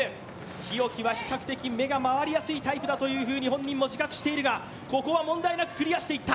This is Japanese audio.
日置は比較的目が回りやすいタイプだと本人も自覚しているがここは問題なくクリアしていった。